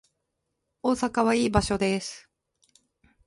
大阪はいい場所です